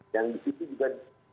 yang di situ juga